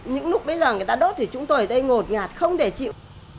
những lúc bây giờ người ta đốt thì chúng tôi ở đây ngột ngạt không để chịu